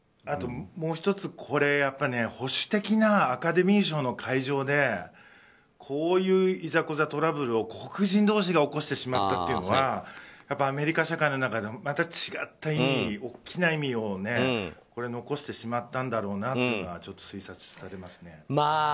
あと、もう１つ保守的なアカデミー賞の会場でこういういざこざ、トラブルを黒人同士が起こしてしまったというのはアメリカ社会の中で、また違った大きな意味を残してしまったんだろうなというのは推察されますね。